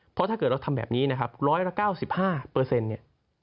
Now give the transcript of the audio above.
เพราะถ้าเกิดเราทำแบบนี้นะครับร้อยละเก้าสิบห้าเปอร์เซ็นต์เนี่ย